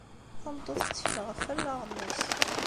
Tameṭṭut tettkel ɣef wallaɣ-nnes.